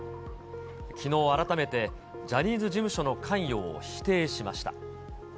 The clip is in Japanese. きのう、改めてジャニーズ事務所の関与を否定しました。